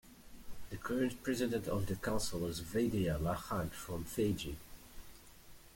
The current President of the Council is Vidhya Lakhan from Fiji.